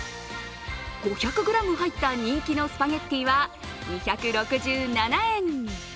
５００ｇ入った人気のスパゲッティは２６７円。